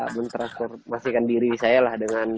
mentransformasikan diri saya lah dengan